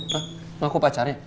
hah ngaku pacarnya